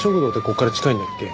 ここから近いんだっけ？